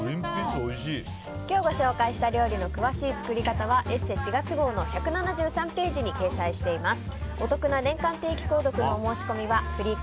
今日ご紹介した料理の詳しい作り方は「ＥＳＳＥ」４月号の１７３ページに掲載しています。